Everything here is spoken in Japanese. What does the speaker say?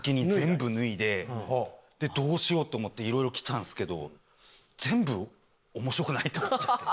でどうしようって思っていろいろ着たんですけど全部面白くないと思っちゃって。